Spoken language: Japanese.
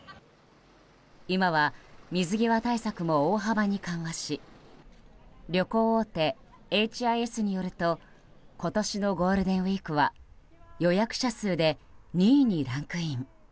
今は水際対策も大幅に緩和し旅行大手ＨＩＳによると今年のゴールデンウィークは予約者数で２位にランクイン。